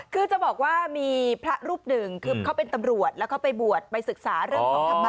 คือจะบอกว่ามีพระรูปหนึ่งคือเขาเป็นตำรวจแล้วเขาไปบวชไปศึกษาเรื่องของธรรมะ